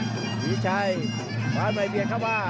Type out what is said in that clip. ฟริกกุญชัยมาใหม่เบียร์ข้าว่า